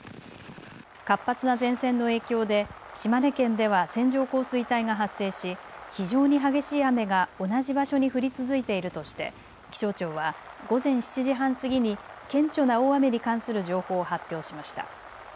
活発な前線の影響で島根県では線状降水帯が発生し非常に激しい雨が同じ場所に降り続いているとして気象庁は午前７時半過ぎに顕著な大雨に関する情報を発表しました。